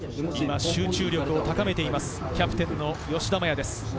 集中力を高めているキャプテン吉田麻也です。